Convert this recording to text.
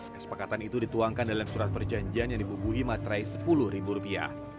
kesepakatan itu dituangkan dalam surat perjanjian yang dibubuhi matrai sepuluh ribu rupiah